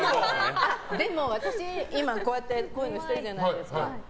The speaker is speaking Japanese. でも私、今、こうやってこういうネックレスしてるじゃないですか。